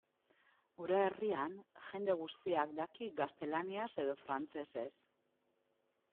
Gure herrian jende guztiak daki gaztelaniaz edo frantsesez.